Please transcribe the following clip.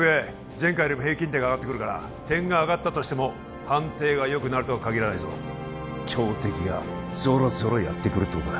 前回よりも平均点が上がってくるから点が上がったとしても判定がよくなるとはかぎらないぞ強敵がぞろぞろやってくるってことだ